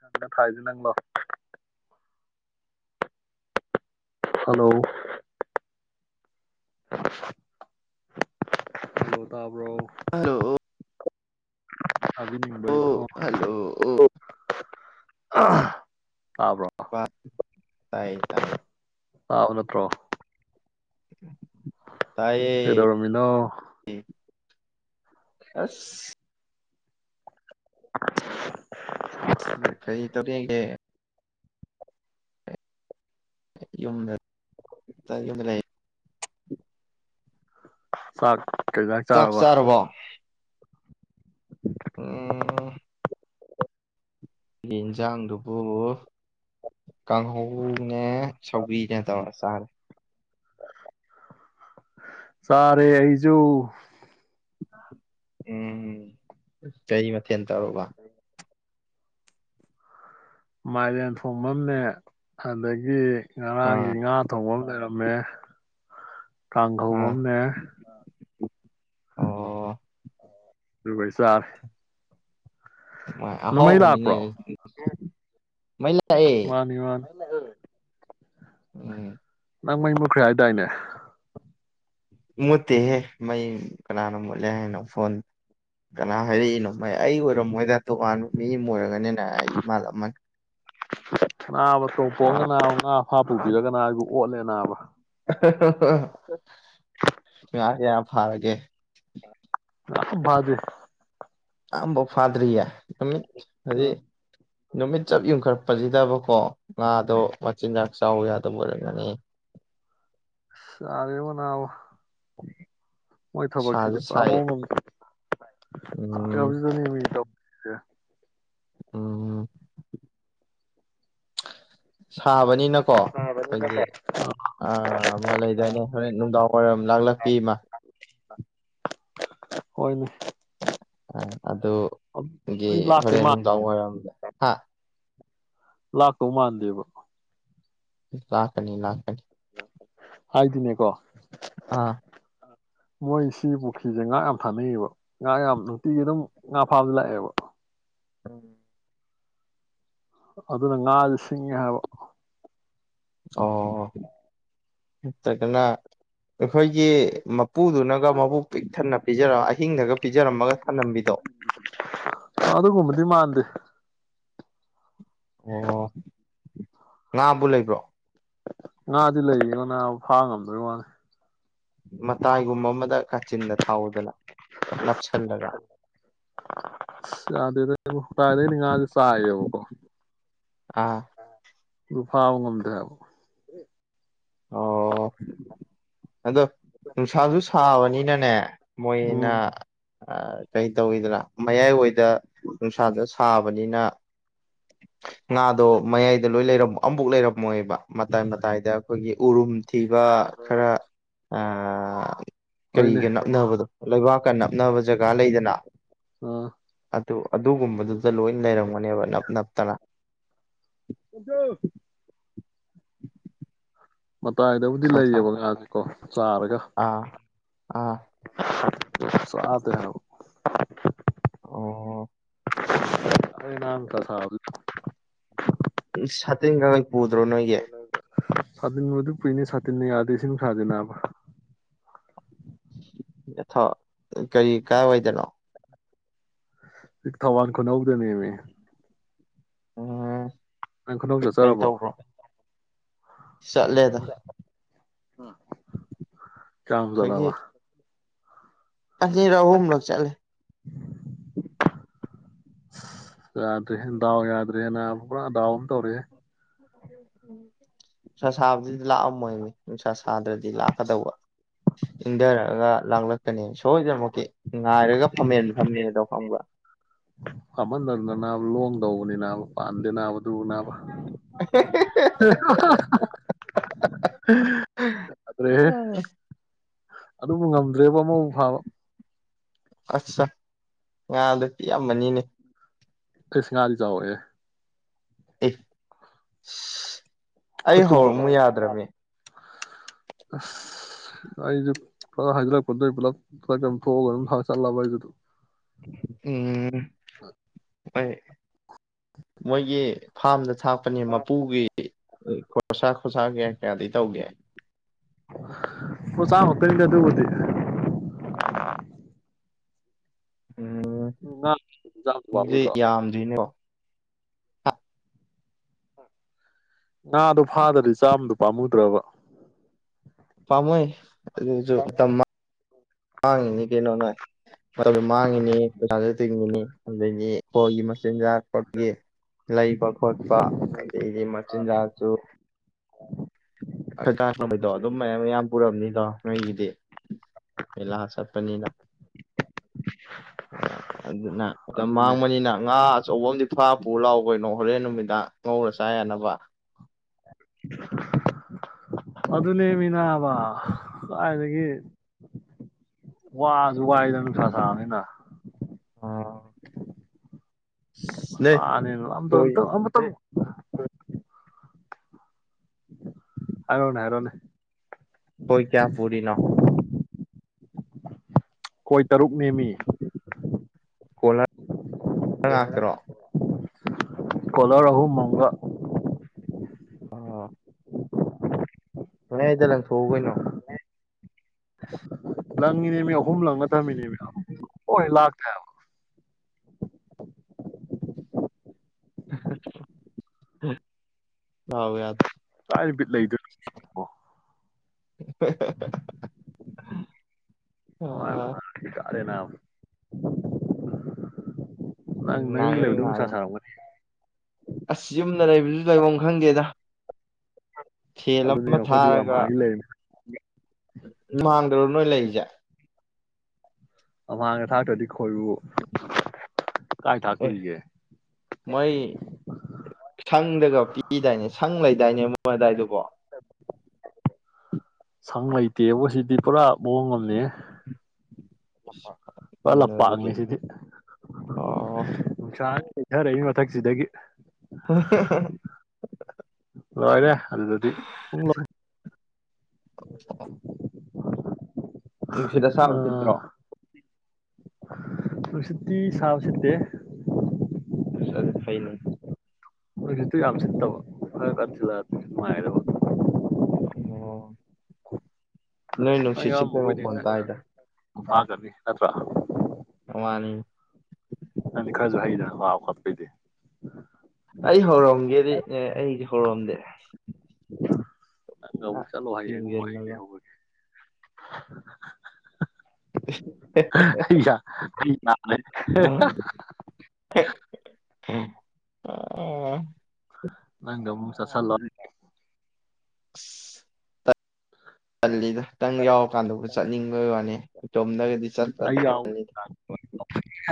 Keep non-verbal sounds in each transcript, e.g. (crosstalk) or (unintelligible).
ꯁꯗ ꯊꯥꯏꯖ ꯅꯪꯂꯣ ꯍꯜꯂꯣ (unintelligible) ꯍꯜꯂꯣ ꯇꯥ ꯍꯜꯂꯣ ꯑꯗꯨꯖꯤꯅꯤꯏ ꯍꯜꯂꯣ ꯑꯣ ꯇꯥꯕ꯭ꯔꯥ ꯇꯥꯏ ꯇꯥꯏ ꯇꯥꯕ ꯅꯠꯇ꯭ꯔꯣ (unintelligible) ꯇꯥꯏꯌꯦ ꯀꯩꯗꯧ ꯔꯝꯃꯤꯅꯣ ꯑꯁ ꯀꯩ ꯇ (unintelligible) ꯌꯨꯝ ꯗ ꯂꯩ ꯁꯥꯠ ꯆꯥꯛ ꯆꯥꯔꯕꯣ ꯎ ꯑꯩꯒꯤ ꯏꯟꯁꯥꯡꯗꯨꯕꯨ ꯀꯥꯡꯍꯧꯅꯦ ꯁꯧꯕꯤꯅꯦ ꯇꯧꯔ ꯆꯥꯔꯦ ꯁꯥꯔꯦ ꯑꯩꯖꯨ ꯎꯝ ꯀꯩ ꯃꯊꯦꯜ ꯇꯧꯔꯨꯕ ꯃꯥꯏꯔꯦꯟ ꯊꯣꯡꯐꯝꯅꯦ ꯑꯗꯒꯤ ꯉꯔꯥꯡꯒꯤ ꯑꯥ ꯉꯥ ꯇꯧꯕ ꯔꯃꯦꯃꯦ ꯇꯪꯒ ꯑꯥ ꯍꯧꯕꯝ ꯃ ꯑꯣ ꯑꯗꯨ ꯄꯩꯁꯔꯦ ꯂꯥꯛꯄ꯭ꯔꯣ ꯍꯥꯎꯅꯤꯅꯦ ꯃ ꯋꯥꯅꯤ ꯋꯥꯅꯤ ꯎ ꯎꯝ ꯅꯪ ꯃꯩ ꯃꯨꯈ꯭ꯔꯦ ꯍꯥꯏꯗꯥꯏꯅꯦ ꯃꯨꯠꯇꯦꯍꯦ ꯃꯩ ꯀꯅꯥꯅꯣ ꯃꯨꯠꯂꯦ ꯍꯥꯏꯅꯣ ꯐꯣꯟ ꯀꯅꯥ ꯍꯥꯏꯔꯛꯏꯅꯣ ꯃꯩ ꯑꯩ ꯑꯣꯏꯔꯝꯃꯣꯏꯗ ꯇꯣꯉꯥꯟꯕ ꯃꯤ ꯑꯃ ꯑꯣꯏꯔꯒꯅꯤꯅ ꯑꯩ ꯃꯥꯗꯃꯒ ꯑꯅꯥꯕꯠꯇꯉꯅ ꯍꯥꯞꯄꯨꯕꯤꯔꯒꯅ ꯑꯩꯕꯕꯨ ꯑꯣꯠꯂꯦ ꯅꯥꯕ ꯒ ꯊꯥꯔꯒꯦ ꯂꯖꯦ ꯑꯝꯕ ꯐꯥꯗꯔꯤꯌꯥ ꯑꯃꯤꯠ ꯍꯥꯏꯖꯤ ꯅꯨꯃꯤꯠ ꯆꯞ ꯌꯨꯡꯈꯠꯔꯛꯄꯁꯤꯗꯕꯀꯣ ꯉꯥꯗꯣ ꯃꯆꯤꯟꯖꯥꯛ ꯆꯥꯎ ꯌꯥꯗꯕ ꯑꯣꯏꯔꯝꯒꯅꯤ ꯁꯔꯦꯕꯅꯥꯕ ꯎ ꯃꯣꯏ ꯊꯕꯛ ꯁꯤꯗꯤ ꯄꯨ ꯑꯃ ꯃꯃꯤ ꯎꯝ ꯑ ꯑꯣ ꯁꯥꯕꯅꯤꯅꯀꯣ ꯑꯩꯈꯣꯏꯒꯤ ꯃ ꯂꯩꯗꯥꯏꯅꯦ ꯍꯣꯔꯦꯟ ꯅꯨꯡꯗꯥꯡ ꯋꯥꯏꯔꯝ ꯂꯥꯛꯂꯄꯤ ꯏꯃ ꯍꯣꯏꯅꯦ ꯑꯗꯨꯒꯤ ꯑꯩ ꯂꯥꯛꯇꯦ ꯍꯣꯔꯦꯟ ꯅꯨꯡꯗꯥꯡ ꯋꯥꯏꯔꯝꯗ ꯍꯥ ꯂꯥꯛꯀꯧ ꯃꯥꯟꯗꯦꯕ ꯂꯥꯛꯀꯅꯤ ꯂꯥꯛꯀꯅꯤ ꯍꯥꯏꯗꯤꯅꯦ ꯀꯣ ꯑꯥ ꯃꯣꯏ ꯁꯤ ꯄꯨꯈ꯭ꯔꯤꯁꯦ ꯉꯥ ꯌꯥꯝ ꯐꯥꯅꯩꯌꯦꯕ ꯉꯥ ꯌꯥꯝ ꯅꯨꯡꯇꯤꯒꯤ ꯑꯗꯨꯝ ꯉꯥ ꯐꯥꯕ ꯂꯥꯛꯑꯦꯕ ꯎꯝ ꯑꯗꯨꯅ ꯉꯥꯥꯁ ꯁꯤꯡꯉꯦ ꯍꯥꯏꯕ ꯑꯣ (inaudible) ꯑꯩꯈꯣꯏꯒꯤ ꯃꯄꯨꯗꯨꯅꯒ ꯃꯕꯨ ꯄꯤꯛꯊꯅ ꯄꯤꯖꯔ‌ꯣ ꯑꯍꯤꯡꯗꯒ ꯄꯤꯖꯔꯝꯃꯒ ꯊꯅꯝꯕꯤꯗꯣ ꯑꯗꯨꯒꯨꯝꯕꯗꯤ ꯃꯥꯟꯗ‌ꯦ ꯑꯣ ꯉꯥꯕꯨ ꯂꯩꯕ꯭ꯔꯣ ꯉꯥꯗꯤ ꯂꯩꯔꯤꯉ‌ꯣ ꯅꯥꯕ ꯐꯥ ꯉꯝꯗꯥꯕꯩ ꯋꯥꯅꯤ ꯃꯇꯥꯏꯒꯨꯝꯕ ꯑꯃꯗ ꯀꯥꯆꯤꯟꯗ ꯊꯥꯛꯎꯗꯅ ꯅꯞꯁꯤꯜꯂꯒ ꯑꯁ ꯌꯥꯗꯦꯗ ꯀꯗꯥꯏꯗꯩꯅꯦ ꯉꯥꯁꯦ ꯆꯥꯏꯌꯦꯕꯀꯣ ꯑꯥ ꯑꯗꯨ ꯐꯥꯕ ꯉꯝꯗ꯭ꯔꯦ ꯍꯥꯏꯕ ꯑꯣ ꯑꯗꯣ ꯅꯨꯡꯁꯥꯁꯨ ꯁꯥꯕꯅꯤꯅꯥꯅꯦ ꯃꯣꯏꯅ ꯎꯝ ꯀꯩ ꯇꯧꯋꯤꯗꯅ ꯃꯌꯥꯏꯋꯥꯏꯗ ꯅꯨꯡꯁꯥꯗ ꯁꯥꯕꯅꯤꯅ ꯉꯥꯗꯣ ꯃꯌꯥꯏꯗ ꯂꯣꯏ ꯂꯩꯔ ꯑꯃꯕ‌ꯎ ꯂꯩꯔꯝꯃꯣꯏꯕ ꯃꯇꯥꯏ ꯃꯇꯥꯏꯗ ꯑꯩꯈꯣꯏꯒꯤ ꯎꯔꯨꯝ ꯊꯤꯕ ꯈꯔ ꯑ ꯍꯣꯏꯅꯦ ꯀꯔꯤꯒ ꯅꯞꯅꯕꯗꯣ ꯂꯩꯕꯥꯛꯀ ꯅꯞꯅꯕ ꯖꯒꯥ ꯂꯩꯗꯅ ꯑꯥ ꯑꯗꯨ ꯑꯗꯨꯒꯨꯝꯕꯗꯨꯗ ꯂꯣꯏꯅ ꯂꯩꯔꯝꯒꯅꯦꯕ ꯅꯞ ꯅꯞꯇꯅ (unintelligible) ꯃꯇꯥꯏꯗꯕꯨꯗꯤ ꯁꯥ ꯁꯥ ꯂꯩꯌꯦꯕ ꯀ‌ꯣ ꯉꯥꯁꯦ ꯀꯣ ꯆꯥꯔꯒ ꯑꯥ ꯑꯥ ꯆꯥꯗ‌ꯦ ꯍꯥꯏꯕ ꯑꯣ ꯑꯗꯨꯅꯤ ꯅꯥꯕ ꯗꯁꯥꯁꯤ ꯇꯤꯟꯒ ꯄꯨꯗ꯭ꯔ‌ꯣ ꯅ‌ꯣꯏꯒꯤ ꯁꯥꯇꯤꯟꯕꯨꯗꯨ ꯄꯨꯏꯅꯦ ꯁꯥꯇꯤꯟꯟꯅ ꯌꯥꯗꯦ ꯁꯤ ꯅꯨꯡꯁꯥꯁꯤ ꯅꯥꯕ ꯌꯊꯥ ꯀꯔꯤ ꯀꯥꯏꯋꯥꯏꯗꯅꯣ ꯊꯥꯋꯥꯟ ꯈꯨꯅꯎꯗꯅꯦꯃꯤ ꯎꯡ ꯅꯪ ꯈꯨꯅ‌ꯧ ꯆꯠꯆꯔꯕꯣ ꯆꯠꯂꯦꯗ ꯆꯃ ꯆꯂꯕ ꯑꯔ ꯍꯂ ꯆꯂꯦ ꯑ ꯌꯥꯗ꯭ꯔꯦ ꯗꯥꯎ ꯌꯥꯗ꯭ꯔꯦꯅ ꯄꯨꯔꯥ ꯗꯥꯎ ꯑꯃ ꯇꯧꯔꯑꯦ ꯎꯝ ꯅꯨꯡꯁꯥ ꯁꯥꯕꯗꯨꯗꯤ ꯂꯥꯛꯑꯝꯃꯣꯏꯅꯤ ꯅꯨꯡꯁꯥ ꯁꯥꯗ꯭ꯔꯗꯤ ꯂꯥꯛꯀꯗꯧꯕ ꯏꯪꯊꯔꯛꯑꯒ ꯂꯥꯡꯂꯛꯀꯅꯦ ꯁꯨꯝ ꯁꯣꯏꯗꯅꯃꯛꯀꯤ ꯉꯥꯏꯔꯒ ꯐꯝꯃꯦ ꯐꯝꯃꯦꯗꯣ ꯐꯪꯕ꯭ꯔ ꯗꯧꯧꯕꯅꯤꯅꯥ ꯄ ꯅꯥꯕ ꯑꯗꯨꯅꯥꯕ ꯑꯗꯨꯗ꯭ꯔꯦ ꯑꯗꯨꯕꯨ ꯉꯝꯗ꯭ꯔꯦꯕ ꯑꯃꯕꯨ ꯐꯥꯕ ꯑꯁ ꯉꯥꯗ ꯄꯤ ꯌꯥꯝꯕꯅꯤꯅꯦ ꯀꯁ ꯍꯜ ꯆꯑꯣꯒꯦ ꯑꯦ ꯑꯩ ꯈꯨꯠ ꯆꯨꯝꯕ ꯍꯧꯔꯛꯃꯨ ꯌꯥꯗ꯭ꯔꯕꯃꯤ ꯑ ꯑꯩꯁꯨ ꯍꯥꯏꯂꯗ ꯄꯨꯂ ꯊꯑ ꯊ ꯆꯠꯂꯕ ꯑꯩꯁꯨ ꯎꯝ ꯑꯩꯣꯏ ꯃꯣꯏꯒꯤ ꯐꯥꯝꯗ ꯊꯥꯛꯄꯅꯦ ꯃꯄꯨꯒꯤ ꯈꯁ ꯊꯣꯁꯥꯒꯦ ꯀꯌꯥꯗꯤ ꯇꯧꯒꯦ ꯑꯣ ꯆ ꯍꯇꯗ ꯑꯗꯨꯤ ꯎꯝ ꯎ ꯑꯗꯨꯗꯤ ꯆꯕꯨꯨꯗ꯭ꯔꯣ ꯌꯥꯝꯗ꯭ꯔꯤꯅꯦꯀꯣ ꯉꯥꯗꯨꯣ ꯐꯥꯗ꯭ꯔꯗꯤ ꯆꯥꯝꯃꯗꯣ ꯄꯥꯝꯃꯨꯗ꯭ꯔꯕ ꯄꯥꯃꯣꯏ ꯑꯗꯨꯁꯨ ꯃꯥꯡꯉꯤꯅꯤ ꯀꯩꯅꯣ ꯅꯣꯏ ꯃꯇꯝꯁꯨ ꯃꯥꯡꯉꯤꯅꯤ ꯄꯩꯁꯥꯁꯨ ꯇꯤꯡꯉꯤꯅꯤ ꯑꯗꯨꯩꯅꯤ ꯑꯩꯣꯏꯒꯤ ꯃꯆꯤꯟꯖꯥꯛ ꯒꯤ ꯂꯩꯕ ꯈꯣꯠꯄ ꯑꯗꯩꯗꯤ ꯃꯆꯤꯟꯖꯥꯛꯁꯨ ꯇꯥꯕꯩꯗꯣ ꯑꯗꯨꯝ ꯃꯌꯥꯝ ꯃꯌꯥꯝ ꯄꯨꯔꯝꯅꯤꯗꯣ ꯅꯣꯏꯒꯤꯗꯤ ꯃꯦꯂꯥ ꯆꯠꯄꯅꯤꯅ ꯑꯗꯨꯅ ꯃꯇꯝ ꯑꯗꯨꯅꯦ ꯃꯥꯡꯕꯅꯤꯅ ꯉꯥ ꯑꯆꯧꯕ ꯑ ꯑꯃꯗꯤ ꯐꯥ ꯄꯨ ꯂꯥꯎꯈꯣꯏꯩꯅꯣ ꯍꯣꯔꯦꯟ ꯅꯨꯃꯤꯡ ꯉꯧꯔꯁꯤ ꯇꯥꯏꯅꯕ ꯑꯗꯨ ꯑꯗꯨꯅꯦꯃꯤꯅꯥ ꯇꯥꯏꯅ ꯋꯥꯁꯨ ꯋꯥꯏꯗ ꯅꯨꯡꯁꯥ ꯁꯥꯥꯡꯕꯅꯤꯅ ꯅꯣꯏ ꯅꯦ ꯈꯣꯏ ꯍꯥꯏꯔꯣꯅꯦ ꯍꯥꯏꯔꯣꯅꯦ ꯁꯣꯏꯀꯌꯥ ꯄꯨꯔꯤꯅ ꯑꯩꯣꯏ ꯇꯔꯨꯛ ꯅꯃꯤ ꯀꯣꯂꯔ ꯉꯥꯛꯇꯔꯣ ꯀꯂꯔꯍꯨ ꯃꯪꯒ ꯑ ꯅꯣꯏ ꯑꯩꯗ ꯂꯪꯊꯣꯛꯎꯈꯩꯅꯣ ꯅꯪꯅꯦꯃꯤ ꯌ ꯑꯍꯨꯝꯂꯥꯎꯅ ꯊꯝꯃꯤꯅꯦꯕ ꯍꯣꯏ ꯂ ꯑꯥꯎ ꯑꯥꯎ ꯌꯥꯗ ꯂ ꯅꯨꯠ ꯂꯩꯗꯣꯏ ꯎꯝ ꯍ ꯑꯥ ꯏꯀꯥꯔꯦ ꯅꯥꯕ ꯅꯪ ꯅ ꯌꯨꯝꯗ ꯉꯥꯏꯌꯣ ꯂꯩꯕꯗꯣ ꯅꯨꯡꯁꯥ ꯉꯥꯏꯌꯣ ꯁꯥꯔꯝꯒꯅꯤ ꯑꯁ ꯌꯨꯝꯗ ꯂꯩꯕꯗꯨꯁꯨ ꯂꯩꯐꯝ ꯈꯪꯗꯦꯗ ꯁꯦꯜ ꯑꯗꯨꯅꯦ ꯑꯃ ꯑꯩꯈꯣꯏꯗꯤ ꯊꯥꯔꯒ ꯂꯝꯍꯥꯡꯗ ꯂꯩꯔꯤꯅꯤ ꯃꯥꯡꯗ꯭ꯔꯣ ꯅꯣꯏ ꯂꯩꯔꯤꯁꯦ ꯥꯡ ꯊ ꯁꯥꯇꯣꯗꯤ ꯀꯥꯏ ꯑꯦ ꯊꯥꯛꯇꯣꯔꯤꯒꯦ ꯃꯥꯏ ꯁꯪꯗꯒ ꯄꯤꯗꯥꯅꯦ ꯁꯪ ꯂꯩꯗꯥꯏꯅꯦ ꯃꯣꯏ ꯑꯗꯨꯗꯥꯏꯗꯨꯕꯣ ꯁꯪ ꯂꯩꯇꯦꯕꯨ ꯁꯤꯗꯤ ꯄꯨꯔꯥ ꯃꯋꯣꯡ ꯑꯝꯅꯤꯍꯦ ꯄꯨꯔꯥ ꯂꯝ ꯌꯦꯡꯉꯣ ꯄꯥꯛꯅꯤ ꯑꯗꯨꯗꯤ ꯁꯤꯗꯤ ꯑꯣ ꯅꯨꯡꯁꯥꯡ ꯄꯤꯊꯔꯛꯏ ꯃꯊꯛꯁꯤꯗꯒꯤ ꯎꯍꯨꯍꯨꯝ ꯂꯣꯏꯔꯦ ꯑꯗꯨꯗꯗꯤ ꯄꯨꯡꯂꯣꯏ (inaudible) ꯅꯨꯡꯁꯤꯠ ꯑꯁꯥꯕ ꯑꯥ ꯁꯤꯠꯇ꯭ꯔꯣ ꯅꯨꯡꯁꯤꯠꯇꯤ ꯁꯥꯕꯁꯤꯠꯇꯦ ꯑꯁ ꯑꯗꯨ ꯐꯩꯅꯦ ꯃꯣꯏꯗꯁꯨ ꯌꯥꯝ ꯁꯤꯠꯇꯕ ꯑꯗꯨꯀꯥꯟ ꯊꯤꯜꯂꯛ ꯑꯗꯤ ꯅꯨꯡꯉꯥꯏꯒꯗꯕ ꯑꯣ ꯅꯣꯏ ꯅꯨꯡꯁꯤꯠꯁꯤꯠꯄꯩ ꯃꯈꯣꯟ ꯇꯥꯏꯗ ꯇꯥꯗꯝꯅꯤ ꯅꯠꯇ꯭ꯔ ꯋꯥꯅꯤꯅꯦ ꯅꯪꯗꯤ ꯈꯔꯖꯨ ꯍꯩꯗꯅ ꯀꯥꯕ ꯈꯣꯠꯄꯩꯗꯤ ꯑꯩ ꯍꯧꯔꯝꯒꯦꯗꯤ ꯑ ꯑꯩꯗꯤ ꯍꯧꯔꯝꯗꯦ (inaudible) ꯅꯪ ꯑꯃꯨꯛ ꯆꯠꯂꯣ ꯍꯌꯦꯡ ꯑꯃꯨꯛ ꯑꯩ ꯌꯦꯡꯖꯜꯂꯒ ꯂꯩꯍꯧꯔꯒꯦ (inaudible) ꯍꯥꯍꯥꯍꯥ ꯑ ꯑ ꯅꯪꯒ ꯃꯨꯛ ꯆꯠꯁꯜꯂꯣ ꯇꯜꯂꯤꯗ ꯅꯪ ꯌꯥꯎꯔꯀꯥꯟꯗꯕꯨ ꯆꯠꯅꯤꯡꯕꯩ ꯋꯥꯅꯤ ꯏꯇꯣꯝꯗꯒꯗꯤ ꯑꯩ ꯆꯠꯄꯗꯗꯤ ꯌꯥꯎ ꯇꯜꯂꯤ.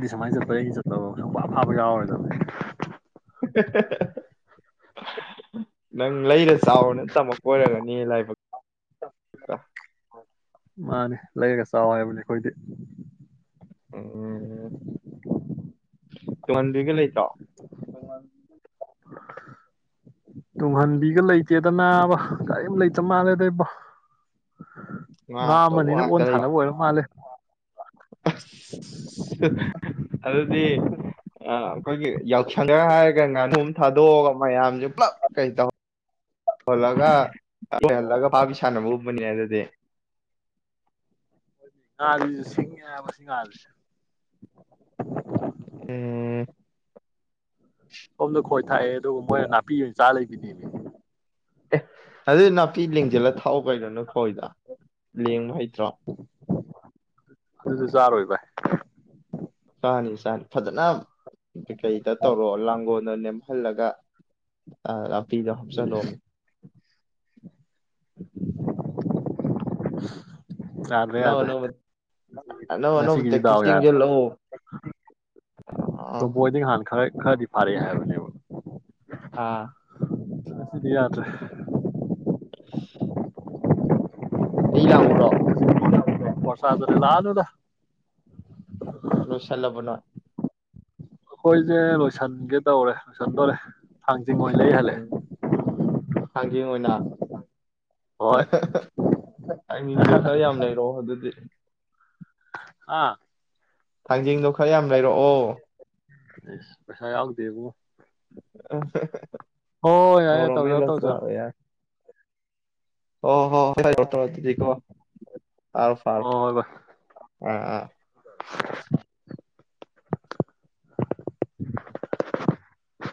(inaudible) ꯁꯨꯃꯥ ꯆꯠꯖꯦ ꯑꯩꯒ ꯆꯠꯄꯃ ꯁꯨꯡꯐꯥ ꯐꯥꯕ ꯌꯥꯎꯔꯔꯣꯏ ꯗꯝꯅꯦ ꯅꯪ ꯂꯩꯔ ꯆꯥꯎꯑꯅ ꯇꯝꯃꯛ ꯑꯣꯏꯔꯝꯒꯅꯤꯌꯦ ꯂꯥꯏꯕꯛꯇꯣ ꯃꯥꯅꯦ ꯂꯩꯔꯒ ꯆꯥꯎ ꯍꯥꯏꯕꯅꯦ ꯑꯩꯈꯣꯏꯗꯤ ꯎꯝ ꯇꯨꯡꯍꯟꯕꯤꯒ ꯂꯩꯇ꯭ꯔꯣ ꯇꯨꯡꯍꯟꯕꯤꯒ ꯂꯩꯇꯦꯗ ꯅꯥꯕ ꯀꯔꯤꯝ ꯂꯩꯇ ꯃꯥꯜꯂꯦꯗꯏꯕꯣ ꯉꯥ ꯑꯆꯧꯕ ꯑꯃꯅꯤꯅ ꯉꯥꯛꯇ ꯑꯣꯟ ꯂꯩꯕ ꯁꯥꯅꯕ ꯑꯣꯏꯔ ꯃꯥꯜꯂꯦ ꯑꯗꯨꯗꯤ ꯑꯩꯈꯣꯏꯒꯤ ꯌꯥꯎꯁꯪꯗ ꯍꯥꯏꯔꯒ ꯉꯥꯅꯨ ꯑꯃ ꯊꯥꯗꯣꯛꯑꯒ ꯃꯌꯥꯝꯁꯦ ꯄꯨꯂꯞ ꯀꯩ ꯇꯧ ꯌꯜꯂꯒ ꯌꯍꯜꯂꯒ ꯐꯥꯕꯤ ꯁꯥꯟꯅꯕ ꯒꯨꯝꯕꯅꯤꯅꯦ ꯑꯗꯨꯗꯤ ꯉꯥꯁꯤ ꯁꯤꯡꯉꯦꯕ ꯉꯥꯥꯁꯦ ꯎꯝ ꯑꯣꯅ ꯈꯣꯏ ꯊꯥꯛꯑꯦ ꯑꯗꯨꯒ ꯃꯣꯏꯅ ꯅꯥꯄꯤ ꯑꯣꯏꯅ ꯆꯥ ꯂꯩꯕꯤꯅꯦꯅꯦ ꯑꯦ ꯑꯗꯨ ꯅꯥꯄꯤ ꯂꯦꯡꯖꯜꯂ ꯊꯥꯎꯑꯣ ꯀꯩꯅꯗꯅ ꯍꯣꯏꯗ ꯂꯦꯡꯕ ꯍꯥꯏ ꯠꯇ꯭ꯔꯥ ꯑꯗꯨꯁꯨ ꯆꯥꯔꯣꯏ ꯚꯏ ꯁꯅꯤ ꯁꯅꯤ ꯐꯠꯇꯅꯥꯝ ꯀꯩꯗ ꯇꯧꯔꯣ ꯂꯥꯡꯣ ꯅꯦꯝꯍꯜꯂꯒ ꯖꯤꯍꯝꯁꯍꯂꯣ ꯎ ꯅ ꯅ ꯅ ꯅ ꯉꯁꯤꯒꯤꯗꯤ ꯗꯥꯎ ꯄꯦꯛꯇ ꯌꯥꯗ꯭ꯔꯦ ꯂ ꯑ ꯐꯔꯦ ꯑꯦꯕ ꯑꯥ ꯁꯤꯗꯤ ꯌꯥꯗ꯭ꯔꯦ ꯑꯩ ꯂꯥꯛꯎꯔꯣ ꯋꯥꯁ ꯑꯗꯨꯗ ꯂꯅꯗ ꯂꯣꯏꯁꯜꯂꯕꯣꯅꯣꯏ ꯑꯩꯈꯣꯏꯁꯦ ꯂꯣꯏꯁꯟꯒꯦ ꯇꯧꯔꯦ ꯂꯣꯏꯁꯟꯗꯣꯔꯦ ꯍꯥꯡꯖꯤꯡ ꯃꯣꯏ ꯂꯩ ꯍꯜꯂꯦ ꯊꯥꯡꯖꯡ ꯑꯣꯏꯅ ꯍꯣꯏ ꯑꯩꯥꯏꯅꯤꯡꯗꯣ ꯈꯔ ꯌꯥꯝ ꯂꯩꯔꯛꯑꯣ ꯑꯗꯨꯗꯤ ꯑꯥ ꯊꯪꯖ ꯈꯔ ꯌꯥꯝ ꯂꯩꯔꯛꯑꯣ ꯄꯁꯥ ꯌꯥꯎꯒ ꯗꯕꯣ ꯑ ꯍꯣꯏ ꯌꯥ ꯌꯥ ꯇꯧꯖ ꯑ ꯇꯧꯖꯣ ꯑꯣ ꯍꯣ ꯍꯀꯣ ꯑꯥꯎ ꯐꯥꯎ ꯍꯣꯏ ꯍꯣꯏ ꯚꯥꯏ ꯑꯥ (inaudible)